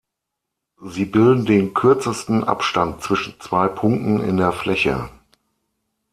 Sie bilden den kürzesten Abstand zwischen zwei Punkten in der Fläche.